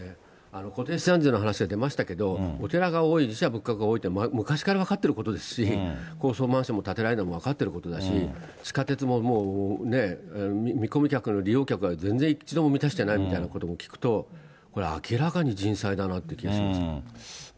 固定資産税の話、出ましたけど、お寺が多い、寺社仏閣が多いって、昔から分かっていることですし、高層マンションを建てられないのも分かってることですし、地下鉄も見込み客、利用客が全然一度も満たしてないということを聞くと、これ、明らかに人災だなっていう気がしますね。